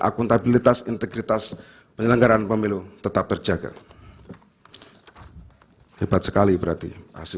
akuntabilitas integritas penganggaran pemilu tetap berjalur hebat sekali berhati hati